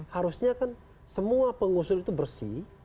harusnya kan semua pengusul itu bersih